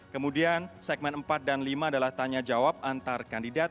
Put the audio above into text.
kemudian segmen empat dan lima adalah tanya jawab antar kandidat